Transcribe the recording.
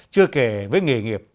chưa kể với nghề nghiệp